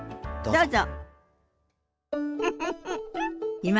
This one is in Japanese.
どうぞ。